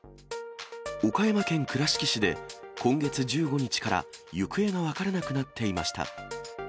岡山県倉敷市で、今月１５日から行方が分からなくなっていました。